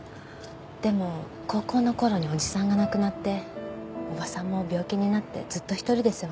でも高校の頃におじさんが亡くなっておばさんも病気になってずっと一人で世話してました。